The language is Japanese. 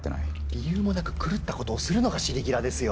理由もなく狂ったことをするのがシリキラですよ。